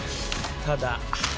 ただ。